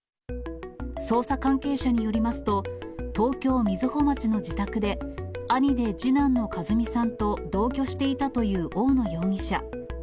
捜査関係者によりますと、東京・瑞穂町の自宅で、兄で次男の和巳さんと同居していたという大野容疑者。